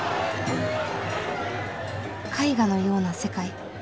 絵画のような世界。